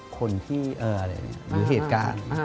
คนที่อะไรอย่างนี้หรือเหตุการณ์